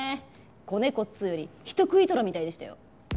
子猫っつうより人食い虎みたいでしたよ。